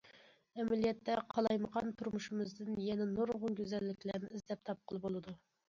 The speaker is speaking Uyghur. ئەمەلىيەتتە، قالايمىقان تۇرمۇشىمىزدىن يەنە نۇرغۇن گۈزەللىكلەرنى ئىزدەپ تاپقىلى بولىدۇ.